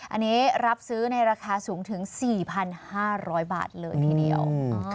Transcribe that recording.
อันนี้รับซื้อในราคาสูงถึง๔๕๐๐บาทเลยทีเดียว